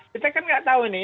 kita kan nggak tahu nih